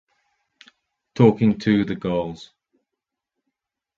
Talking to the girls.